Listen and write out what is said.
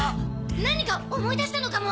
何か思い出したのかも。